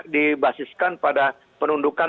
dibasiskan pada penundukan